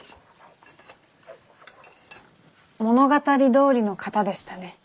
物語どおりの方でしたね。